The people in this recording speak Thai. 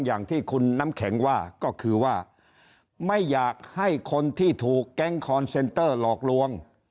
อย่างที่คุณน้ำแข็งว่าก็คือว่าไม่อยากให้คนที่ถูกแก๊งคอนเซนเตอร์หลอกลวง